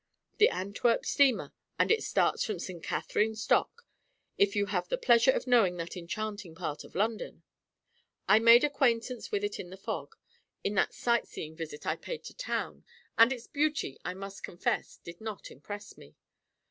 The Antwerp steamer; and it starts from St. Katherine's Docks if you have the pleasure of knowing that enchanting part of London. I made acquaintance with it in a fog, in that sight seeing visit I paid to town; and its beauty, I must confess, did not impress me.